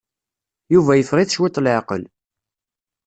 Yuba yeffeɣ-it cwiṭ leɛqel.